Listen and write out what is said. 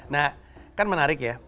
nah kan menarik ya